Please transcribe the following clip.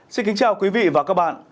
xin kính chào quý vị và các bạn